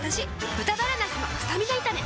「豚バラなすのスタミナ炒め」